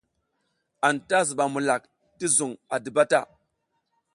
Anta zuɓam mulak ti zuƞ a diba ta.